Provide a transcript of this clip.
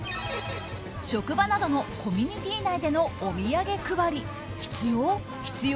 職場などのコミュニティー内でお土産配り必要？